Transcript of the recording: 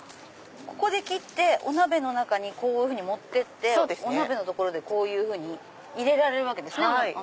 ここで切ってお鍋にこういうふうに持ってってお鍋の所でこういうふうに入れられるわけですね。